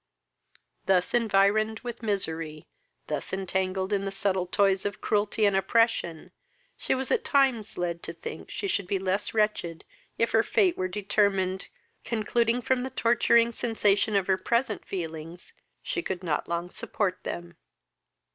Thus environed with misery, thus entangled in the subtle toils of cruelty and oppression, she was at times led to think she should be less wretched if her fate were determined, concluding, from the torturing sensation of her present feelings, she could not long support them.